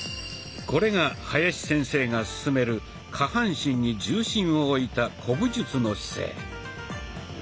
これが林先生が勧める下半身に重心を置いた古武術の姿勢。